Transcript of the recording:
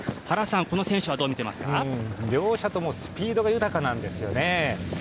原さん、この選手はどう見ていますか？両者ともスピードが豊かなんですよね。